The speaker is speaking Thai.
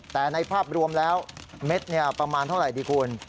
แต่ในภาพรวมแล้วเม็ดประมาณเท่าไหร่ดีคุณ